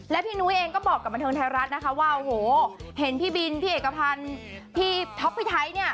และพี่นุ้ยเองก็บอกกับบันเทิงไทยรัฐนะคะว่าโอ้โหเห็นพี่บินพี่เอกพันธ์พี่ท็อปพี่ไทยเนี่ย